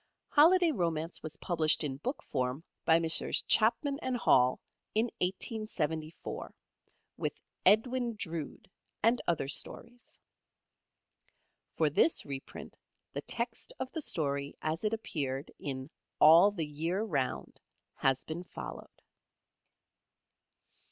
"Holiday Romance" was published in book form by Messrs Chapman & Hall in 1874, with "Edwin Drood" and other stories. For this reprint the text of the story as it appeared in "All the Year Round" has been followed.